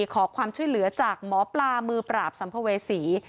ขอความช่วยเหลือจากหมอปลามือปราบสัมภเวษี